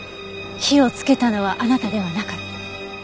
火をつけたのはあなたではなかった？